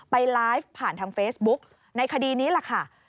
ไปไลฟ์ผ่านทางเฟซบุ๊กในคดีนี้แหละค่ะ